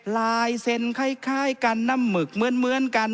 ลายเซ็นต์คล้ายคล้ายกันน้ำหมึกเหมือนเหมือนกัน